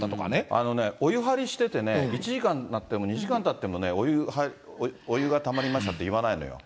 あのね、お湯張りしててね、１時間たっても２時間たってもお湯、お湯がたまりましたって言わないのよ。